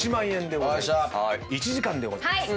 １時間でございます。